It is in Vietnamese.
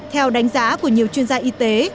theo đánh giá của nhiều chuyên gia y tế